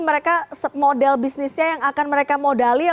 mereka model bisnisnya yang akan mereka modali